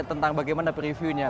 tentang bagaimana preview nya